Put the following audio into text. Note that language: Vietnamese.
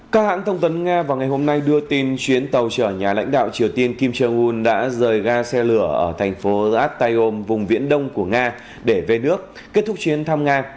các hãng thông tấn nga vào ngày hôm nay đưa tin chuyến tàu chở nhà lãnh đạo triều tiên kim jong un đã rời ga xe lửa ở thành phố attaom vùng viễn đông của nga để về nước kết thúc chuyến thăm nga